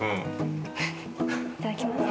いただきます。